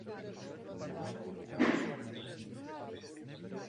Směřuje pak k východu rychle se zahlubujícím skalnatým kaňonem.